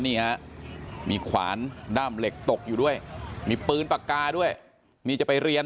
นี่ฮะมีขวานด้ามเหล็กตกอยู่ด้วยมีปืนปากกาด้วยนี่จะไปเรียน